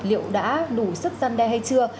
liệu đã đủ sức gian đe hay chưa